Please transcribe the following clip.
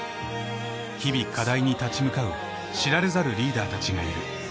日々課題に立ち向かう知られざるリーダーたちがいる。